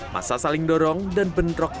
masa saling dorong dan bentrok